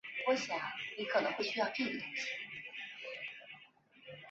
金平复叶耳蕨为鳞毛蕨科复叶耳蕨属下的一个种。